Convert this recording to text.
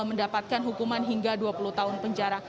mendapatkan hukuman hingga dua puluh tahun penjara